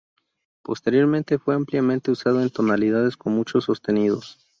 Posteriormente fue ampliamente usado en tonalidades con muchos sostenidos.